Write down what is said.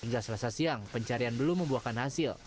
hingga selasa siang pencarian belum membuahkan hasil